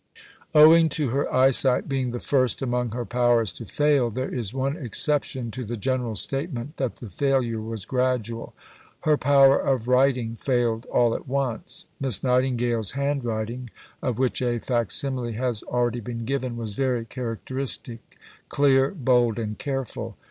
Owing to her eyesight being the first among her powers to fail, there is one exception to the general statement that the failure was gradual. Her power of writing failed all at once. Miss Nightingale's handwriting, of which a facsimile has already been given, was very characteristic: clear, bold, and careful.